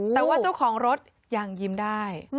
แต่ว่าเจ้าของรถยังยิ้มได้